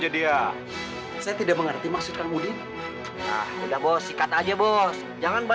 kalau begitu aku akan jalan